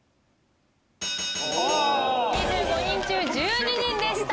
２５人中１２人でした。